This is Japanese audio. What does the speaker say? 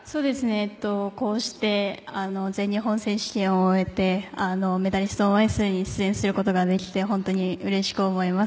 こうして全日本選手権を終えてメダリスト・オン・アイスに出演することができて本当にうれしく思います。